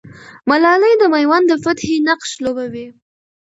ملالۍ د مېوند د فتحې نقش لوبوي.